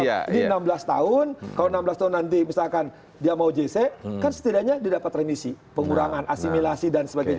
jadi enam belas tahun kalau enam belas tahun nanti misalkan dia mau jc kan setidaknya dia dapat remisi pengurangan asimilasi dan sebagainya